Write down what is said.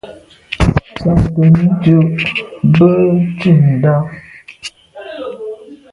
Tsiante ndùb be ntùm ndà.